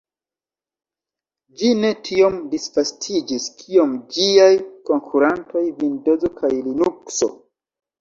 Ĝi ne tiom disvastiĝis kiom ĝiaj konkurantoj Vindozo kaj Linukso.